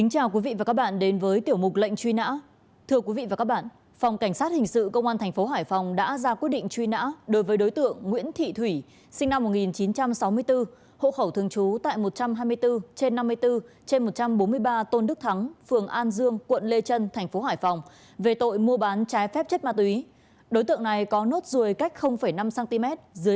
hãy đăng ký kênh để ủng hộ kênh của chúng mình nhé